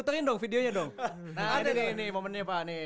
nah ini nih momennya pak